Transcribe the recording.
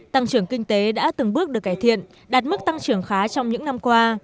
tăng trưởng kinh tế đã từng bước được cải thiện đạt mức tăng trưởng khá trong những năm qua